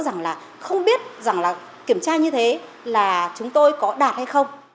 rằng là không biết kiểm tra như thế là chúng tôi có đạt hay không